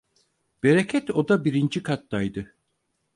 Bereket oda birinci kattaydı.